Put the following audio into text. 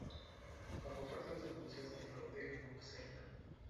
Bajo fuertes denuncias de fraude ganó Cerna.